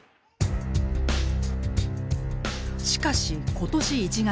しかし今年１月。